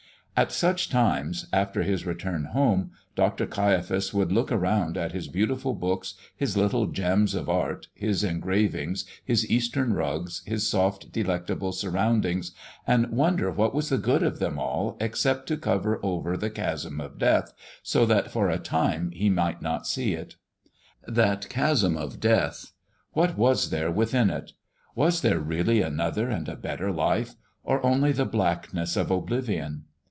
At such times, after his return home, Dr. Caiaphas would look around at his beautiful books, his little gems of art, his engravings, his Eastern rugs, his soft, delectable surroundings, and wonder what was the good of them all except to cover over the chasm of death so that for a time he might not see it. That chasm of death! What was there within it? Was there really another and a better life, or only the blackness of oblivion?